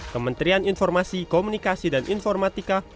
kementerian informasi komunikasi dan informatika